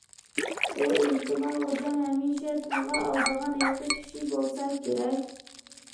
بۇ ئېھتىمال غوجام ھەمىشە تىلغا ئالىدىغان ھېلىقى كىشى بولسا كېرەك.